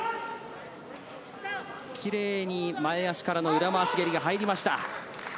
キレイに前足からの裏回し蹴りが入りました。